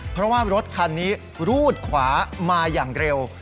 เพราะว่ารถคันนี้รูดขวามาอย่างเร็ว